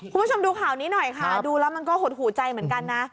คุณผู้ชมดูข่าวนี้หน่อยค่ะดูแล้วมันก็หดหูใจเหมือนกันนะ